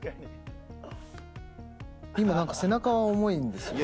今なんか背中は重いんですよね。